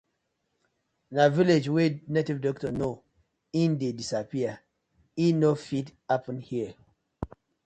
Na village wey native doctor know e dey disappear, e no fit happen here.